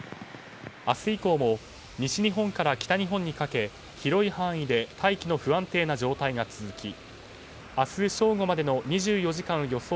明日以降も、西日本から北日本にかけ広い範囲で大気の不安定な状態が続き明日正午までの２４時間予想